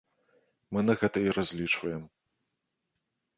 Мы на гэта і разлічваем.